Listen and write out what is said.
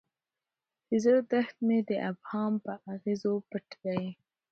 د زړه دښت مې د ابهام په اغزیو پټ دی.